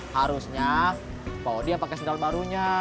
harusnya pak odi yang pakai sendal barunya